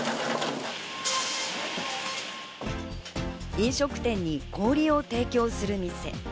飲食店に氷を提供する店。